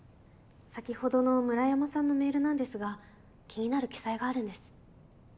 先ほどの村山さんのメールなんですが気になる記載があるんです。